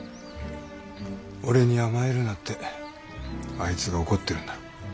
俺に甘えるなってあいつが怒ってるんだろ。